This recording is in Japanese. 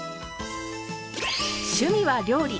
趣味は料理。